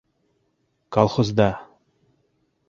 Колхозда.